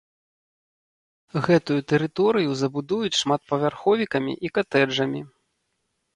Гэтую тэрыторыю забудуюць шматпавярховікамі і катэджамі.